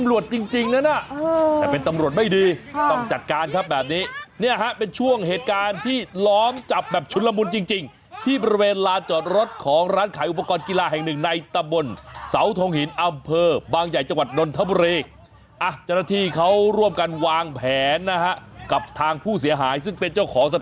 ออแล้วว่าตังค์นั้นเนอะเนี่ยล่ะแต่เป็นตำรวจไม่ดีต้องจัดการครับแบบนี้เนี่ยฮะเป็นช่วงเหตุการณ์ที่ล้อมจับแบบชุนละมุนจริงที่ประเวณร้านจอดรถของร้านขายอุปกรณ์กีฬาแห่งหนึ่งในตะบนเสาธงหินอำเภอบางใหญ่จังหวัดนทะเบอร์เลกอ่ะเจรอที่เค้าร่วมกันวางแผนนะฮะก